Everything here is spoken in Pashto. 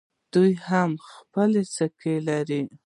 دوی هم خپلې سکې لرلې